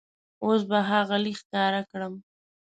اوس به هغه لیک ښکاره کړم.